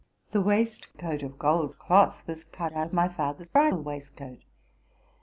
The waistcoat of gold cloth was cut out of my father's bridal waistcoat.